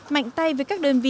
mạnh tay với các đơn vị